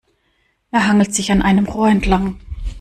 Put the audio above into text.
Er hangelt sich an einem Rohr entlang.